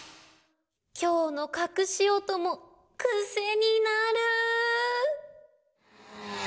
きょうのかくし音もくせになる！